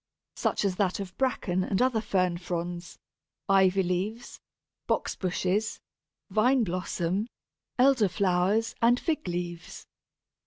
Such is that of Bracken and other Fern fronds, Ivy leaves, Box bushes, Vine blossom, Elder flowers, and Fig leaves.